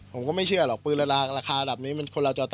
ผมก็ไม่เชื่อหรอก